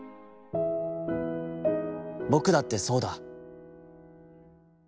僕だってさうだ』。